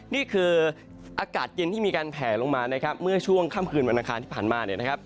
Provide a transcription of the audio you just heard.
นี่คืออากาศเย็นที่มีการแผลลงมานะครับเมื่อช่วงค่ำคืนวันอังคารที่ผ่านมาเนี่ยนะครับ